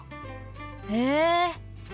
へえ！